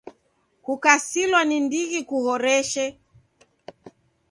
Kukasilwa ni ndighi kuhoreshe!